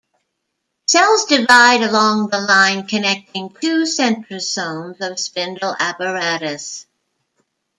Cells divide along the line connecting two centrosomes of spindle apparatus.